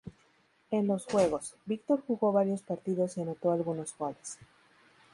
En los Juegos, Víctor jugó varios partidos y anotó algunos goles.